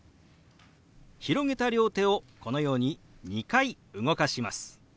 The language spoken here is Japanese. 広げた両手をこのように２回動かします。